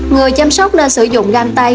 người chăm sóc nên sử dụng găng tay